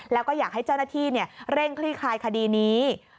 แล้วก็อยากให้เจ้าหน้าที่เร่งคลี่คลายคดีนี้